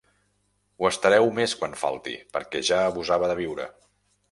Ho estareu més quan falti perquè ja abusava de viure.